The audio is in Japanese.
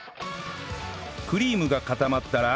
クリームが固まったら